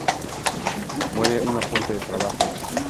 Muere una fuente de trabajo.